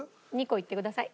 ２個いってください。